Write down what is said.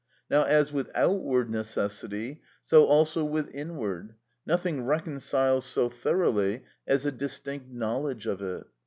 Now as with outward necessity, so also with inward; nothing reconciles so thoroughly as a distinct knowledge of it.